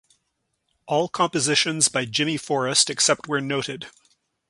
All compositions by Jimmy Forrest except where noted